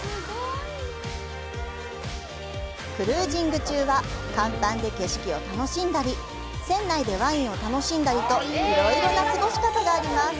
クルージング中は甲板で景色を楽しんだり、船内でワインを楽しんだりと、いろいろな過ごし方があります。